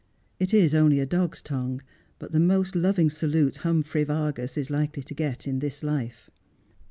It is only a dog's tongue, but the most loving salute Humphrey Vargas is likely to get in this life.